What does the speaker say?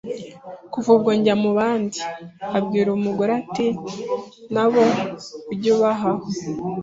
Kuva ubwo Jyamubandi abwira umugore ati nabo ujye ubahaho